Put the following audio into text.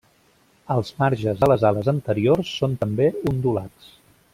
Els marges de les ales anteriors són també ondulats.